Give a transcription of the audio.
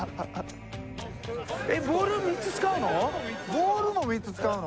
ボール３つ使うの？